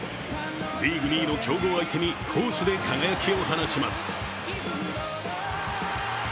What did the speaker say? リーグ２位の強豪相手に攻守で輝きを放ちます。